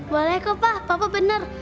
boleh kok pak papa bener